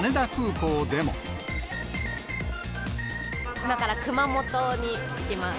今から熊本に行きます。